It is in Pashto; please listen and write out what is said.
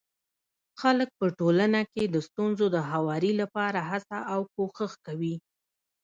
خلک په ټولنه کي د ستونزو د هواري لپاره هڅه او کوښښ کوي.